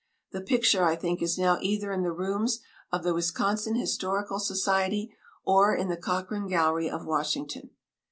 The picture, I think, is now either in the rooms of the Wisconsin Historical Society, or in the Cochran gallery of Washington.